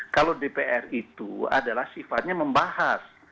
kalau dpr itu adalah sifatnya membahas